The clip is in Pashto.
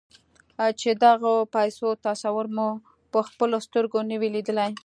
چې د غو پيسو تصور مو پهخپلو سترګو نه وي ليدلی.